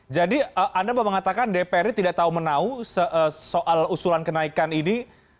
jadi anda mengatakan dprd tidak tahu menau soal usulan kenaikan ini